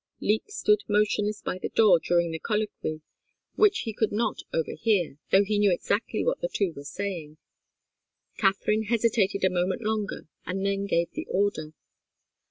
Leek stood motionless by the door during the colloquy, which he could not overhear, though he knew exactly what the two were saying. Katharine hesitated a moment longer, and then gave the order.